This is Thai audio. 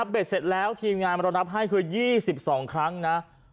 เสร็จแล้วทีมงานเรานับให้คือ๒๒ครั้งนะ